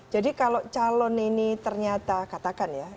jadi kalau calon ini ternyata katakan ya